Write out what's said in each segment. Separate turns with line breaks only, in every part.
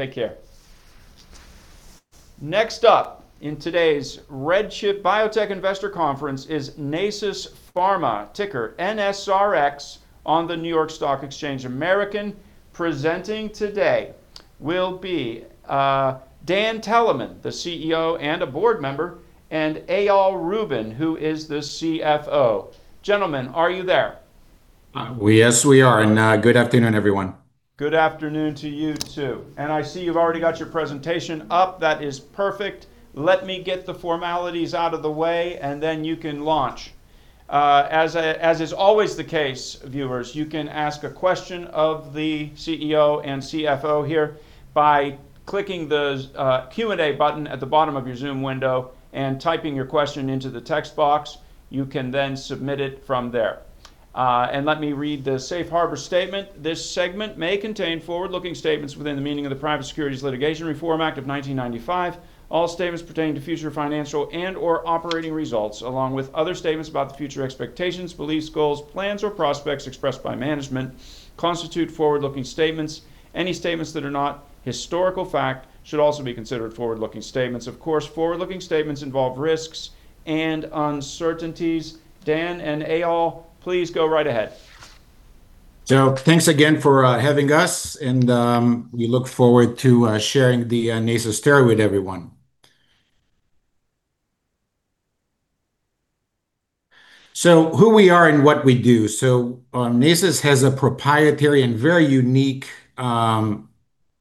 Take care. Next up in today's Biotech Resurgence: Platforms and Pipelines of Today's Innovators is Nasus Pharma, ticker NSRX on the New York Stock Exchange American. Presenting today will be Dan Teleman, the CEO and a board member, and Eyal Rubin, who is the CFO. Gentlemen, are you there?
Yes, we are. Good afternoon everyone.
Good afternoon to you too. I see you've already got your presentation up. That is perfect. Let me get the formalities out of the way and then you can launch. As is always the case, viewers, you can ask a question of the CEO and CFO here by clicking the Q&A button at the bottom of your Zoom window and typing your question into the text box. You can then submit it from there. Let me read the safe harbor statement. This segment may contain forward-looking statements within the meaning of the Private Securities Litigation Reform Act of 1995. All statements pertaining to future financial and/or operating results, along with other statements about the future expectations, beliefs, goals, plans, or prospects expressed by management, constitute forward-looking statements. Any statements that are not historical fact should also be considered forward-looking statements. Of course, forward-looking statements involve risks and uncertainties. Dan and Eyal, please go right ahead.
Thanks again for having us, and we look forward to sharing the Nasus story with everyone. Who we are and what we do. Nasus has a proprietary and very unique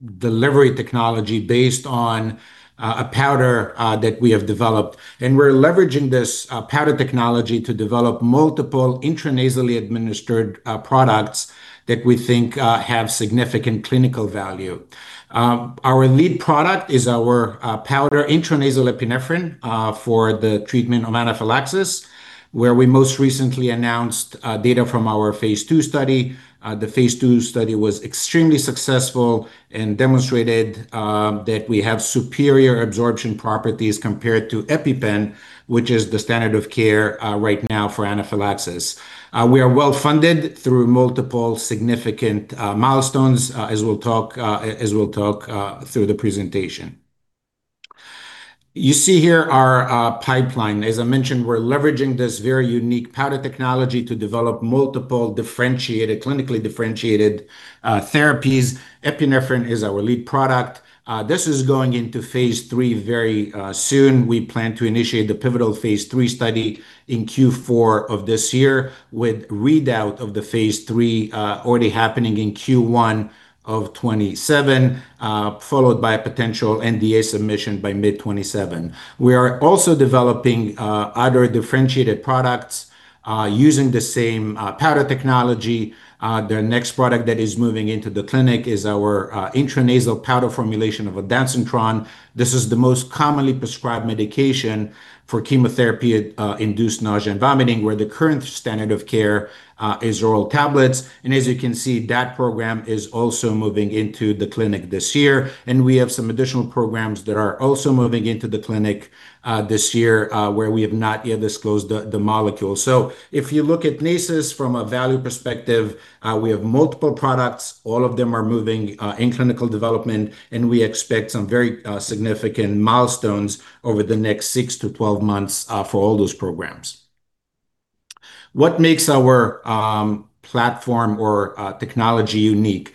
delivery technology based on a powder that we have developed. We're leveraging this powder technology to develop multiple intranasally administered products that we think have significant clinical value. Our lead product is our powder intranasal epinephrine for the treatment of anaphylaxis, where we most recently announced data from our phase II study. The phase II study was extremely successful and demonstrated that we have superior absorption properties compared to EpiPen, which is the standard of care right now for anaphylaxis. We are well-funded through multiple significant milestones, as we'll talk through the presentation. You see here our pipeline. As I mentioned, we're leveraging this very unique powder technology to develop multiple clinically differentiated therapies. Epinephrine is our lead product. This is going into phase III very soon. We plan to initiate the pivotal phase III study in Q4 of this year with readout of the phase III already happening in Q1 of 2027, followed by a potential NDA submission by mid 2027. We are also developing other differentiated products using the same powder technology. The next product that is moving into the clinic is our intranasal powder formulation of ondansetron. This is the most commonly prescribed medication for chemotherapy-induced nausea and vomiting, where the current standard of care is oral tablets. As you can see, that program is also moving into the clinic this year. We have some additional programs that are also moving into the clinic this year where we have not yet disclosed the molecule. If you look at Nasus from a value perspective, we have multiple products. All of them are moving in clinical development, and we expect some very significant milestones over the next 6-12 months for all those programs. What makes our platform or technology unique?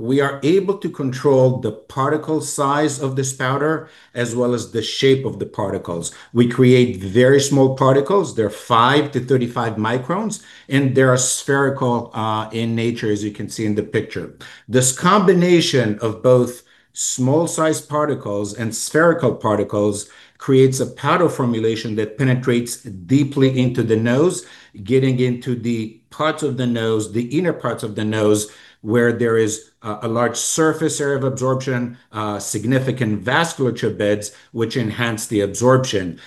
We are able to control the particle size of this powder, as well as the shape of the particles. We create very small particles. They're 5-35 microns, and they are spherical in nature, as you can see in the picture. This combination of both small-sized particles and spherical particles creates a powder formulation that penetrates deeply into the nose, getting into the parts of the nose, the inner parts of the nose, where there is a large surface area of absorption, significant vascular beds, which enhance the absorption.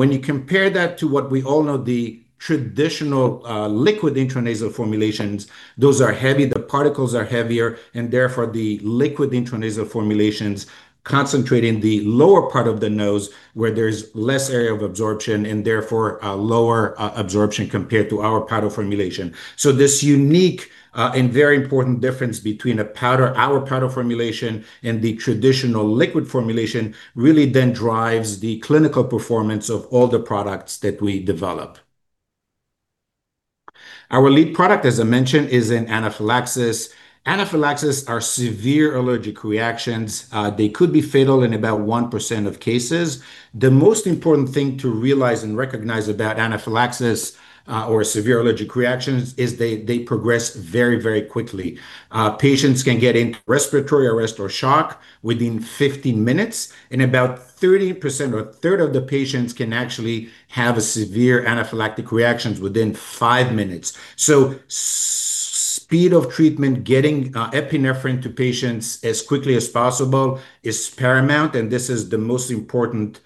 When you compare that to what we all know, the traditional liquid intranasal formulations, those are heavy, the particles are heavier, and therefore the liquid intranasal formulations concentrate in the lower part of the nose where there's less area of absorption, and therefore lower absorption compared to our powder formulation. This unique and very important difference between our powder formulation and the traditional liquid formulation really then drives the clinical performance of all the products that we develop. Our lead product, as I mentioned, is in anaphylaxis. Anaphylaxis are severe allergic reactions. They could be fatal in about 1% of cases. The most important thing to realize and recognize about anaphylaxis or severe allergic reactions is they progress very quickly. Patients can get into respiratory arrest or shock within 15 minutes, and about 30% or a third of the patients can actually have a severe anaphylactic reaction within five minutes. Speed of treatment, getting epinephrine to patients as quickly as possible is paramount, and this is the most important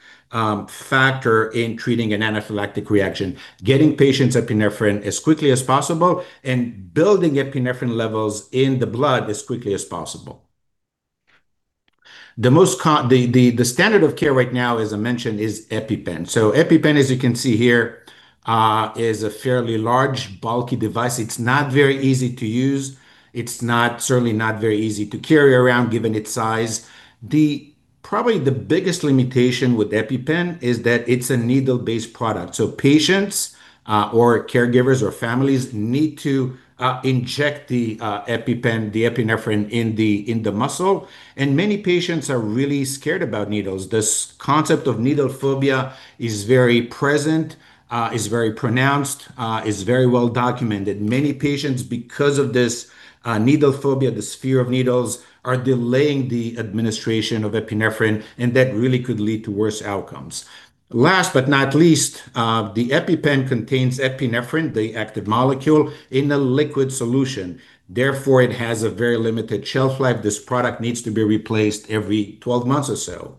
factor in treating an anaphylactic reaction. Getting epinephrine to patients as quickly as possible and building epinephrine levels in the blood as quickly as possible. The standard of care right now, as I mentioned, is EpiPen. EpiPen, as you can see here, is a fairly large, bulky device. It's not very easy to use. It's certainly not very easy to carry around, given its size. Probably the biggest limitation with EpiPen is that it's a needle-based product, so patients or caregivers or families need to inject the EpiPen, the epinephrine, in the muscle, and many patients are really scared about needles. This concept of needle phobia is very present, is very pronounced, is very well documented. Many patients, because of this needle phobia, this fear of needles, are delaying the administration of epinephrine, and that really could lead to worse outcomes. Last but not least, the EpiPen contains epinephrine, the active molecule, in a liquid solution. Therefore, it has a very limited shelf life. This product needs to be replaced every 12 months or so.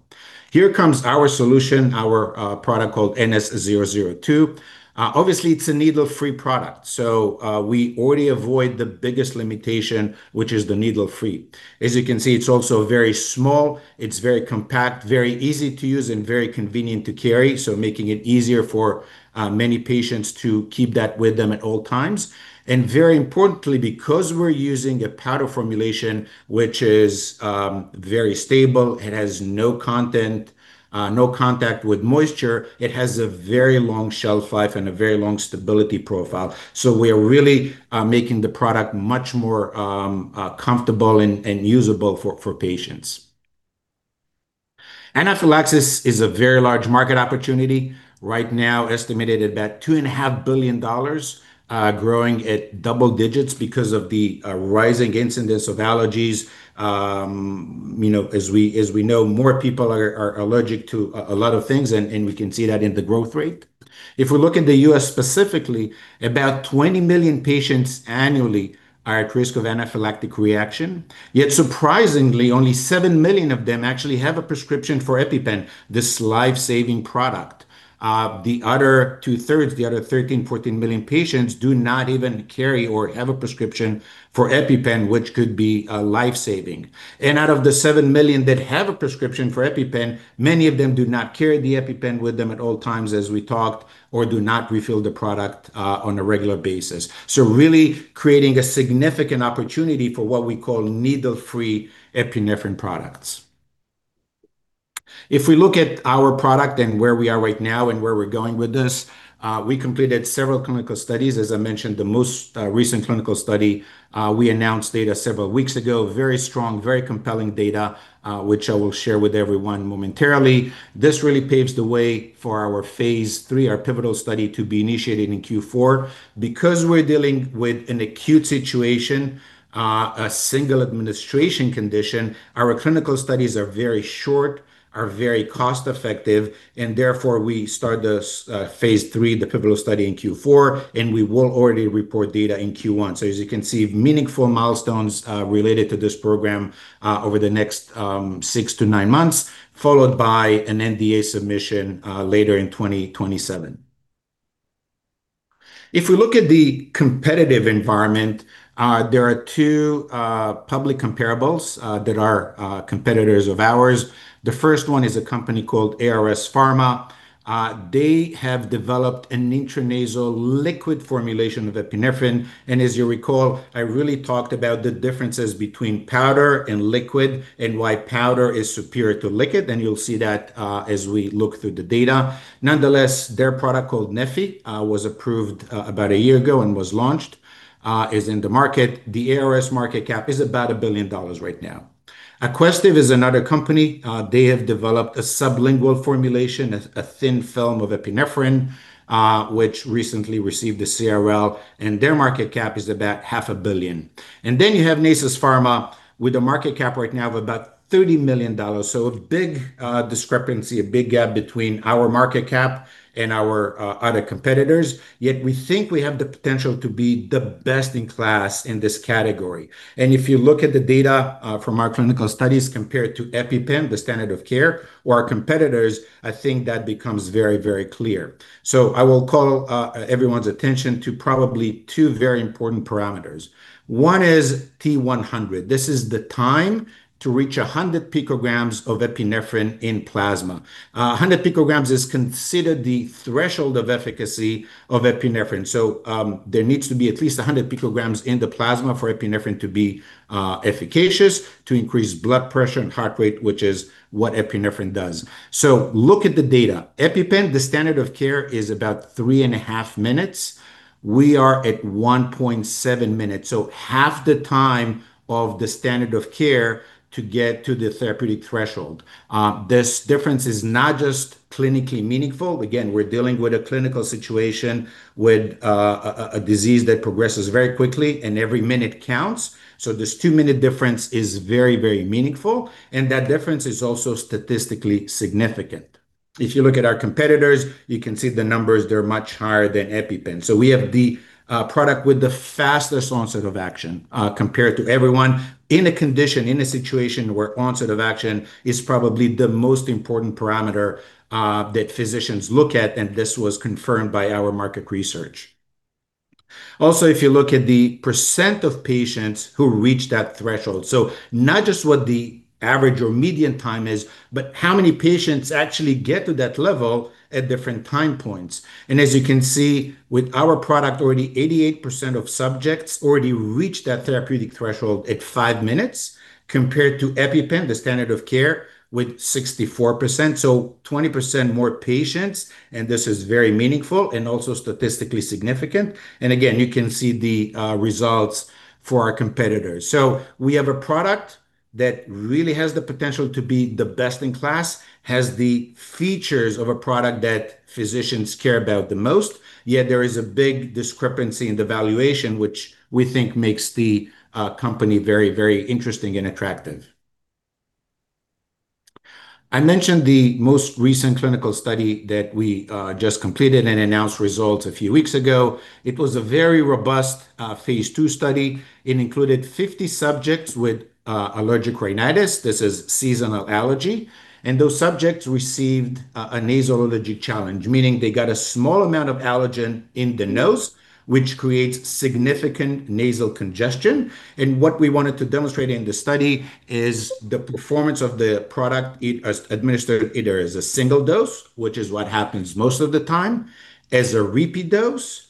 Here comes our solution, our product called NS-002. Obviously, it's a needle-free product, so we already avoid the biggest limitation, which is the needle-free. As you can see, it's also very small, it's very compact, very easy to use, and very convenient to carry, so making it easier for many patients to keep that with them at all times. Very importantly, because we're using a powder formulation, which is very stable, it has no contact with moisture, it has a very long shelf life and a very long stability profile. We are really making the product much more comfortable and usable for patients. Anaphylaxis is a very large market opportunity, right now estimated at about $2.5 billion, growing at double digits because of the rising incidence of allergies. As we know, more people are allergic to a lot of things, and we can see that in the growth rate. If we look at the U.S. specifically, about 20 million patients annually are at risk of anaphylactic reaction. Yet surprisingly, only 7 million of them actually have a prescription for EpiPen, this life-saving product. The other two-thirds, the other 13-14 million patients, do not even carry or have a prescription for EpiPen, which could be life-saving. Out of the 7 million that have a prescription for EpiPen, many of them do not carry the EpiPen with them at all times, as we talked, or do not refill the product on a regular basis. Really creating a significant opportunity for what we call needle-free epinephrine products. If we look at our product and where we are right now and where we're going with this, we completed several clinical studies. As I mentioned, the most recent clinical study, we announced data several weeks ago, very strong, very compelling data, which I will share with everyone momentarily. This really paves the way for our phase III, our pivotal study to be initiated in Q4. Because we're dealing with an acute situation, a single administration condition, our clinical studies are very short, are very cost-effective, and therefore we start the phase III, the pivotal study in Q4, and we will already report data in Q1. As you can see, meaningful milestones related to this program, over the next 6-9 months, followed by an NDA submission later in 2027. If we look at the competitive environment, there are two public comparables that are competitors of ours. The first one is a company called ARS Pharma. They have developed an intranasal liquid formulation of epinephrine, and as you recall, I really talked about the differences between powder and liquid and why powder is superior to liquid, and you'll see that as we look through the data. Nonetheless, their product, called neffy, was approved about a year ago and was launched, is in the market. The ARS market cap is about $1 billion right now. Aquestive is another company. They have developed a sublingual formulation, a thin film of epinephrine, which recently received a CRL, and their market cap is about half a billion. You have Nasus Pharma with a market cap right now of about $30 million. A big discrepancy, a big gap between our market cap and our other competitors. Yet we think we have the potential to be the best in class in this category. If you look at the data from our clinical studies compared to EpiPen, the standard of care, or our competitors, I think that becomes very clear. I will call everyone's attention to probably two very important parameters. One is T-100. This is the time to reach 100 picograms of epinephrine in plasma. 100 picograms is considered the threshold of efficacy of epinephrine. There needs to be at least 100 picograms in the plasma for epinephrine to be efficacious, to increase blood pressure and heart rate, which is what epinephrine does. Look at the data. EpiPen, the standard of care, is about 3.5 minutes. We are at 1.7 minutes, so half the time of the standard of care to get to the therapeutic threshold. This difference is not just clinically meaningful. Again, we're dealing with a clinical situation with a disease that progresses very quickly and every minute counts. This two minute difference is very meaningful, and that difference is also statistically significant. If you look at our competitors, you can see the numbers, they're much higher than EpiPen. We have the product with the fastest onset of action compared to everyone in a condition, in a situation where onset of action is probably the most important parameter that physicians look at, and this was confirmed by our market research. Also, if you look at the percent of patients who reach that threshold, not just what the average or median time is, but how many patients actually get to that level at different time points. As you can see with our product, already 88% of subjects already reached that therapeutic threshold at five minutes, compared to EpiPen, the standard of care, with 64%. 20% more patients, and this is very meaningful and also statistically significant. Again, you can see the results for our competitors. We have a product that really has the potential to be the best in class, has the features of a product that physicians care about the most, yet there is a big discrepancy in the valuation, which we think makes the company very, very interesting and attractive. I mentioned the most recent clinical study that we just completed and announced results a few weeks ago. It was a very robust phase II study. It included 50 subjects with allergic rhinitis. This is seasonal allergy, and those subjects received a nasal allergy challenge, meaning they got a small amount of allergen in the nose, which creates significant nasal congestion. What we wanted to demonstrate in the study is the performance of the product administered either as a single dose, which is what happens most of the time, as a repeat dose,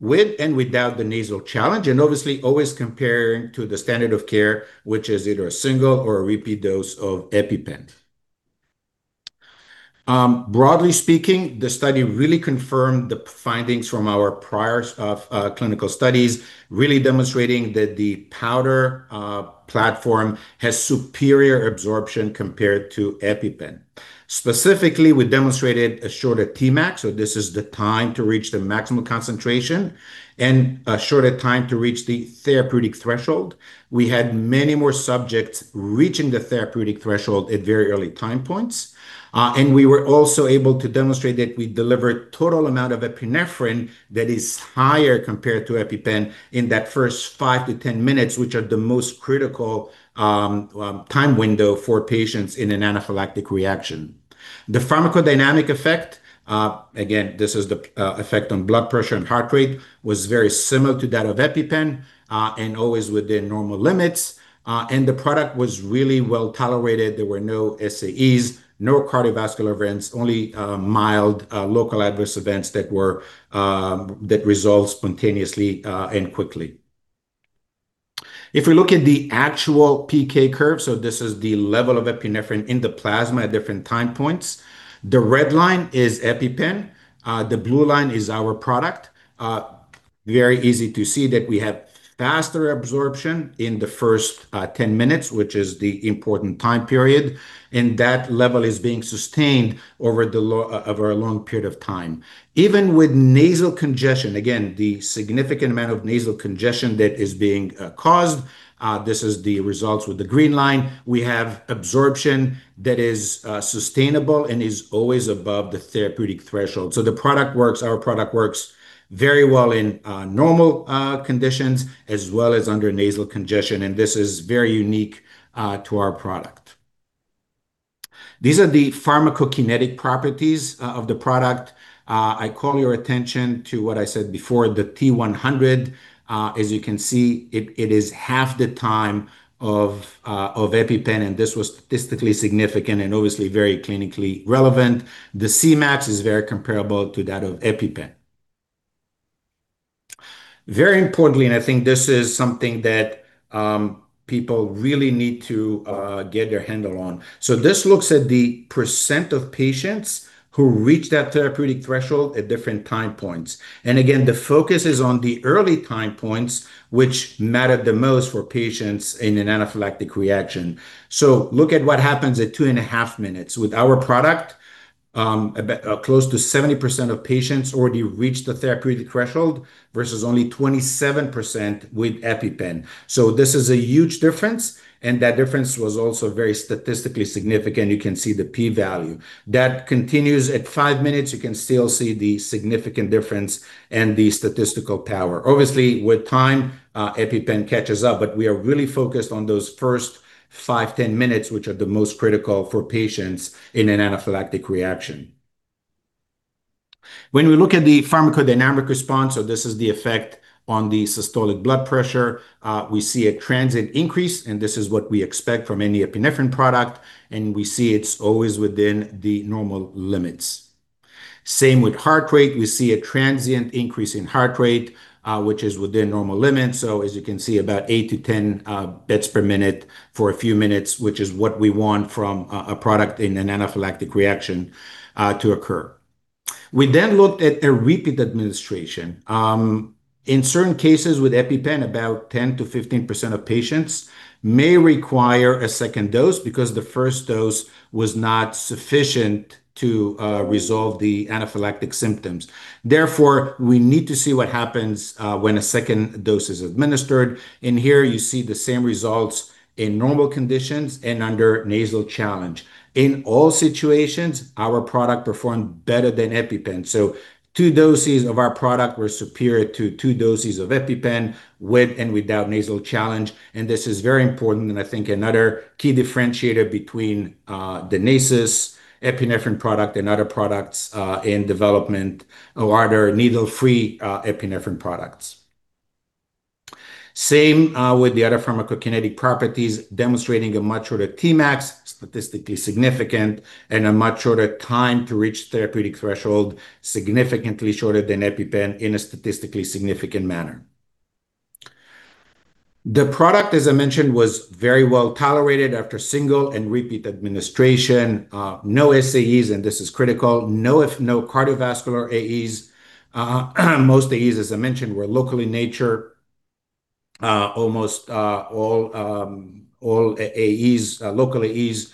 with and without the nasal challenge, and obviously always comparing to the standard of care, which is either a single or a repeat dose of EpiPen. Broadly speaking, the study really confirmed the findings from our prior clinical studies, really demonstrating that the powder platform has superior absorption compared to EpiPen. Specifically, we demonstrated a shorter Tmax, so this is the time to reach the maximum concentration, and a shorter time to reach the therapeutic threshold. We had many more subjects reaching the therapeutic threshold at very early time points. We were also able to demonstrate that we delivered total amount of epinephrine that is higher compared to EpiPen in that first 5-10 minutes, which are the most critical time window for patients in an anaphylactic reaction. The pharmacodynamic effect, again, this is the effect on blood pressure and heart rate, was very similar to that of EpiPen, and always within normal limits. The product was really well-tolerated. There were no SAEs, no cardiovascular events, only mild local adverse events that resolved spontaneously and quickly. If we look at the actual PK curve, so this is the level of epinephrine in the plasma at different time points. The red line is EpiPen. The blue line is our product. Very easy to see that we have faster absorption in the first 10 minutes, which is the important time period, and that level is being sustained over a long period of time. Even with nasal congestion, again, the significant amount of nasal congestion that is being caused, this is the results with the green line. We have absorption that is sustainable and is always above the therapeutic threshold. Our product works very well in normal conditions as well as under nasal congestion, and this is very unique to our product. These are the pharmacokinetic properties of the product. I call your attention to what I said before, the T-100, as you can see, it is half the time of EpiPen, and this was statistically significant and obviously very clinically relevant. The Cmax is very comparable to that of EpiPen. Very importantly, and I think this is something that people really need to get their handle on. This looks at the percent of patients who reach that therapeutic threshold at different time points. Again, the focus is on the early time points, which matter the most for patients in an anaphylactic reaction. Look at what happens at 2.5 minutes. With our product, close to 70% of patients already reached the therapeutic threshold versus only 27% with EpiPen. This is a huge difference, and that difference was also very statistically significant. You can see the P-value. That continues at 5 minutes. You can still see the significant difference and the statistical power. Obviously, with time, EpiPen catches up, but we are really focused on those first 5, 10 minutes, which are the most critical for patients in an anaphylactic reaction. When we look at the pharmacodynamic response, so this is the effect on the systolic blood pressure, we see a transient increase, and this is what we expect from any epinephrine product, and we see it's always within the normal limits. Same with heart rate. We see a transient increase in heart rate, which is within normal limits. As you can see, about 8-10 beats per minute for a few minutes, which is what we want from a product in an anaphylactic reaction to occur. We then looked at a repeat administration. In certain cases with EpiPen, about 10%-15% of patients may require a second dose because the first dose was not sufficient to resolve the anaphylactic symptoms. Therefore, we need to see what happens when a second dose is administered. Here you see the same results in normal conditions and under nasal challenge. In all situations, our product performed better than EpiPen. Two doses of our product were superior to two doses of EpiPen with and without nasal challenge. This is very important, and I think another key differentiator between Nasus's epinephrine product and other products in development, or other needle-free epinephrine products. Same with the other pharmacokinetic properties, demonstrating a much shorter Tmax, statistically significant, and a much shorter time to reach therapeutic threshold, significantly shorter than EpiPen in a statistically significant manner. The product, as I mentioned, was very well tolerated after single and repeat administration. No SAEs, and this is critical. No cardiovascular AEs. Most AEs, as I mentioned, were local in nature. Almost all local AEs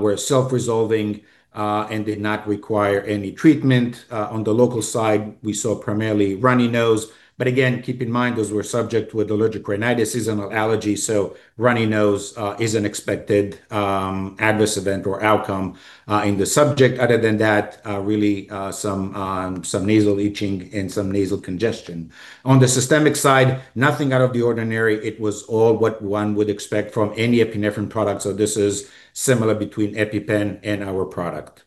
were self-resolving and did not require any treatment. On the local side, we saw primarily runny nose, but again, keep in mind, those were subject with allergic rhinitis, seasonal allergy, so runny nose is an expected adverse event or outcome in the subject. Other than that, really, some nasal itching and some nasal congestion. On the systemic side, nothing out of the ordinary. It was all what one would expect from any epinephrine product. This is similar between EpiPen and our product.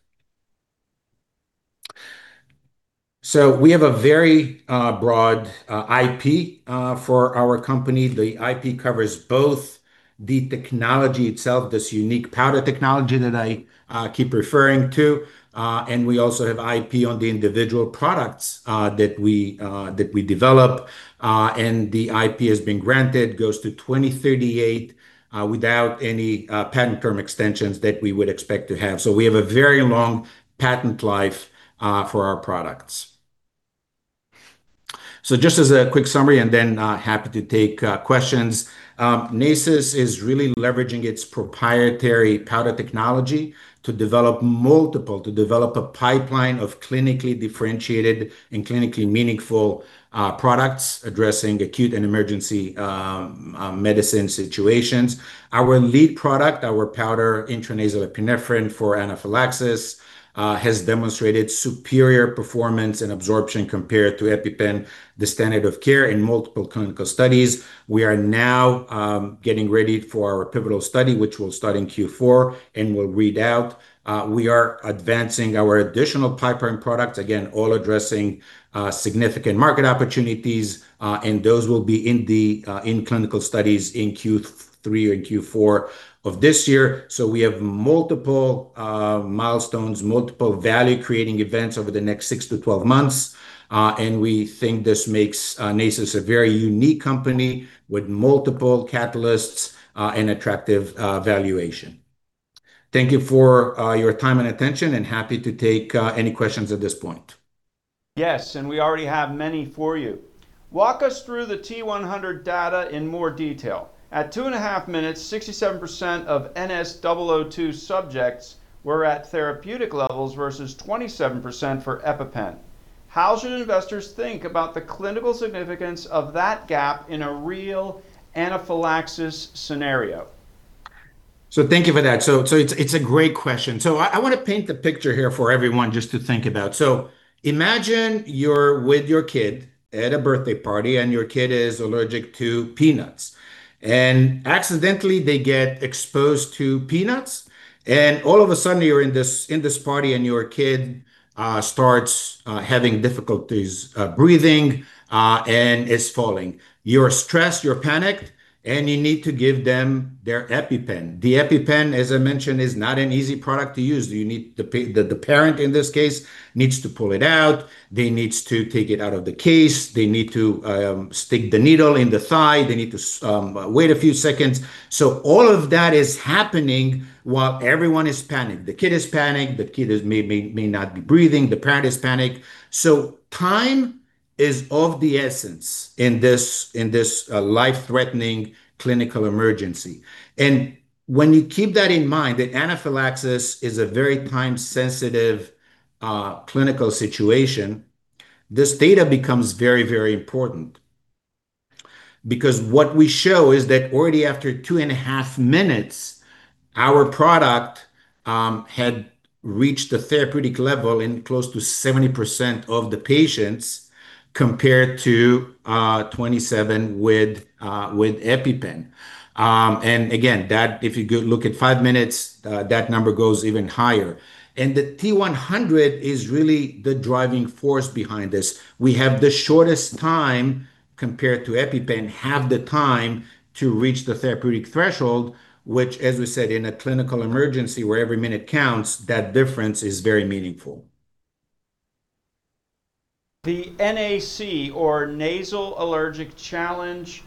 We have a very broad IP for our company. The IP covers both the technology itself, this unique powder technology that I keep referring to, and we also have IP on the individual products that we develop. The IP has been granted, goes to 2038, without any patent term extensions that we would expect to have. We have a very long patent life for our products. Just as a quick summary, and then happy to take questions. Nasus is really leveraging its proprietary powder technology to develop a pipeline of clinically differentiated and clinically meaningful products addressing acute and emergency medicine situations. Our lead product, our powder intranasal epinephrine for anaphylaxis, has demonstrated superior performance and absorption compared to EpiPen, the standard of care in multiple clinical studies. We are now getting ready for our pivotal study, which we'll start in Q4, and we'll read out. We are advancing our additional pipeline products, again, all addressing significant market opportunities, and those will be in clinical studies in Q3 or Q4 of this year. We have multiple milestones, multiple value-creating events over the next six to 12 months, and we think this makes Nasus a very unique company with multiple catalysts and attractive valuation. Thank you for your time and attention, and happy to take any questions at this point.
Yes, we already have many for you. Walk us through the T-100 data in more detail. At 2.5 minutes, 67% of NS002 subjects were at therapeutic levels versus 27% for EpiPen. How should investors think about the clinical significance of that gap in a real anaphylaxis scenario?
Thank you for that. It's a great question. I want to paint the picture here for everyone just to think about. Imagine you're with your kid at a birthday party and your kid is allergic to peanuts, and accidentally, they get exposed to peanuts. All of a sudden, you're in this party, and your kid starts having difficulties breathing and is falling. You're stressed, you're panicked, and you need to give them their EpiPen. The EpiPen, as I mentioned, is not an easy product to use. The parent, in this case, needs to pull it out. They need to take it out of the case. They need to stick the needle in the thigh. They need to wait a few seconds. All of that is happening while everyone is panicked. The kid is panicked. The kid may not be breathing. The parent is panicked. Time is of the essence in this life-threatening clinical emergency, and when you keep that in mind, that anaphylaxis is a very time-sensitive clinical situation, this data becomes very important because what we show is that already after two and a half minutes, our product had reached the therapeutic level in close to 70% of the patients, compared to 27% with EpiPen. Again, if you look at five minutes, that number goes even higher, and the T-100 is really the driving force behind this. We have the shortest time compared to EpiPen, half the time to reach the therapeutic threshold, which, as we said, in a clinical emergency where every minute counts, that difference is very meaningful.
The NAC or nasal allergic challenge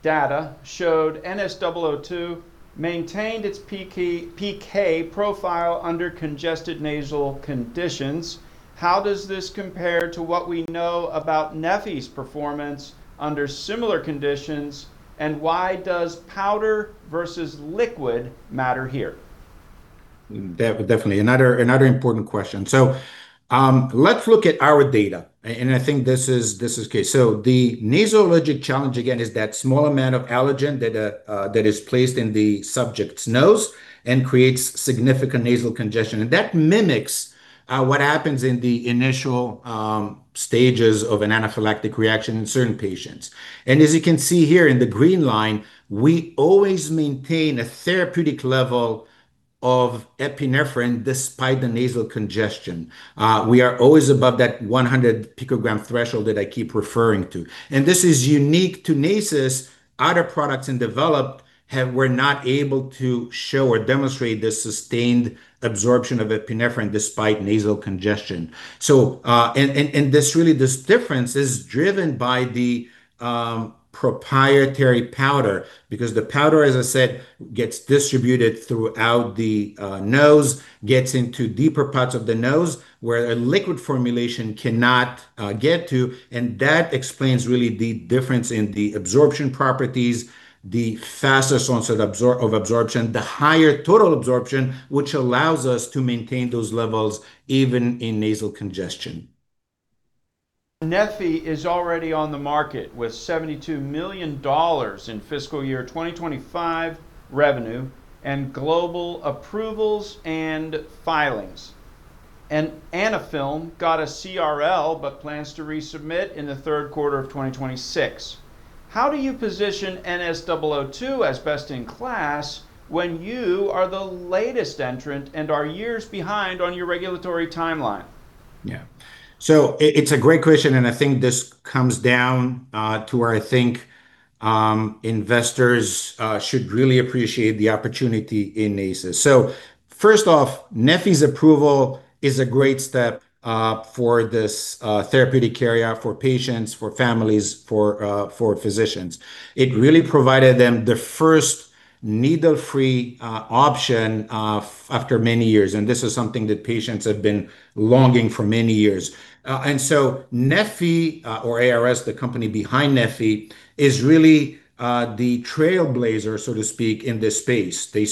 data showed NS002 maintained its PK profile under congested nasal conditions. How does this compare to what we know about neffy's performance under similar conditions, and why does powder versus liquid matter here?
Definitely. Another important question. Let's look at our data, and I think this is the case. The nasal allergic challenge, again, is that small amount of allergen that is placed in the subject's nose and creates significant nasal congestion. That mimics what happens in the initial stages of an anaphylactic reaction in certain patients. As you can see here in the green line, we always maintain a therapeutic level of epinephrine despite the nasal congestion. We are always above that 100 picogram threshold that I keep referring to. This is unique to Nasus. Other products in development were not able to show or demonstrate the sustained absorption of epinephrine despite nasal congestion. This really, this difference is driven by the proprietary powder because the powder, as I said, gets distributed throughout the nose, gets into deeper parts of the nose where a liquid formulation cannot get to. That explains really the difference in the absorption properties, the faster onset of absorption, the higher total absorption, which allows us to maintain those levels even in nasal congestion.
neffy is already on the market with $72 million in fiscal year 2025 revenue and global approvals and filings. Anaphylm got a CRL, but plans to resubmit in the third quarter of 2026. How do you position NS002 as best in class when you are the latest entrant and are years behind on your regulatory timeline?
Yeah. It's a great question, and I think this comes down to where I think investors should really appreciate the opportunity in Nasus. First off, neffy's approval is a great step for this therapeutic area for patients, for families, for physicians. It really provided them the first needle-free option after many years, and this is something that patients have been longing for many years. neffy, or ARS, the company behind neffy, is really the trailblazer, so to speak, in this space. They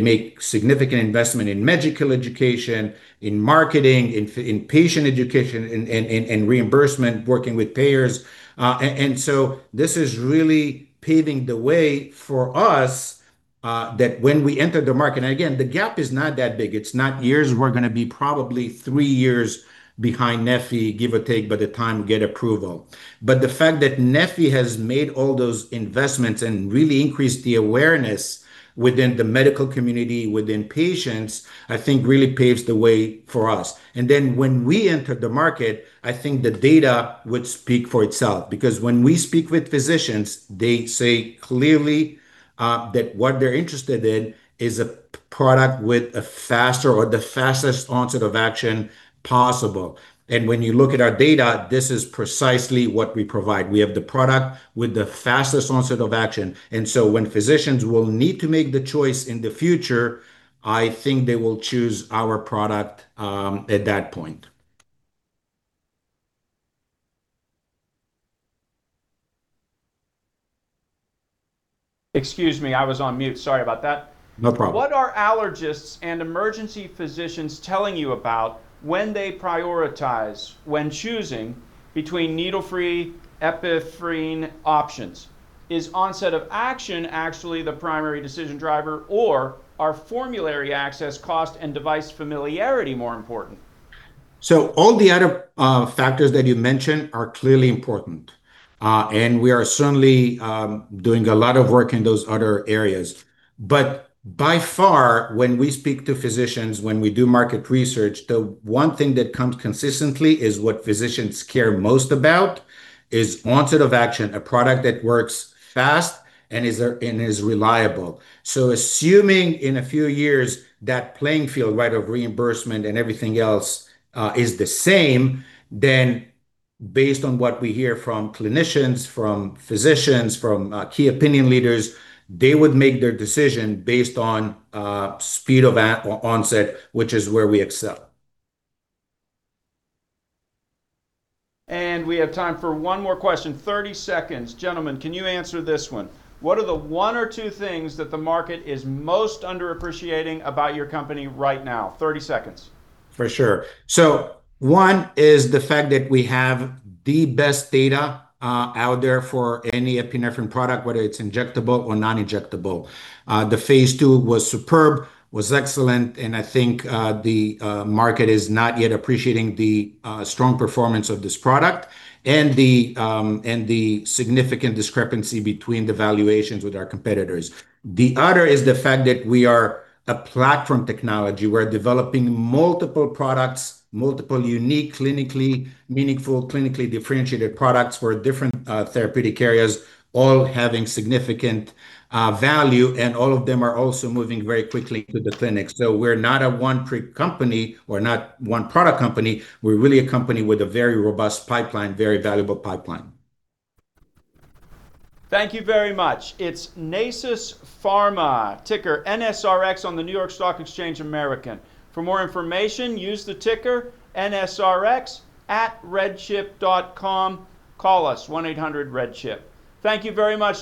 make significant investment in medical education, in marketing, in patient education, in reimbursement, working with payers. This is really paving the way for us that when we enter the market, and again, the gap is not that big, it's not years, we're going to be probably three years behind neffy, give or take, by the time we get approval. The fact that neffy has made all those investments and really increased the awareness within the medical community, within patients, I think really paves the way for us. Then when we enter the market, I think the data would speak for itself. Because when we speak with physicians, they say clearly that what they're interested in is a product with a faster or the fastest onset of action possible. When you look at our data, this is precisely what we provide. We have the product with the fastest onset of action. When physicians will need to make the choice in the future, I think they will choose our product at that point.
Excuse me, I was on mute. Sorry about that.
No problem.
What are allergists and emergency physicians telling you about when they prioritize when choosing between needle-free epinephrine options? Is onset of action actually the primary decision driver, or are formulary access, cost, and device familiarity more important?
All the other factors that you mentioned are clearly important. We are certainly doing a lot of work in those other areas. By far, when we speak to physicians, when we do market research, the one thing that comes consistently is what physicians care most about is onset of action. A product that works fast and is reliable. Assuming in a few years that playing field, right, of reimbursement and everything else, is the same then, based on what we hear from clinicians, from physicians, from key opinion leaders, they would make their decision based on speed of onset, which is where we excel.
We have time for one more question. 30 seconds. Gentlemen, can you answer this one? What are the one or two things that the market is most underappreciating about your company right now? 30 seconds.
For sure. One is the fact that we have the best data out there for any epinephrine product, whether it's injectable or non-injectable. The phase II was superb, was excellent, and I think the market is not yet appreciating the strong performance of this product and the significant discrepancy between the valuations with our competitors. The other is the fact that we are a platform technology. We're developing multiple products, multiple unique, clinically meaningful, clinically differentiated products for different therapeutic areas, all having significant value, and all of them are also moving very quickly to the clinic. We're not a one-trick company. We're not a one-product company. We're really a company with a very robust pipeline, very valuable pipeline.
Thank you very much. It's Nasus Pharma, ticker NSRX on the New York Stock Exchange American. For more information, use the ticker NSRX at RedChip.com. Call us, 1-800-REDCHIP. Thank you very much, gent-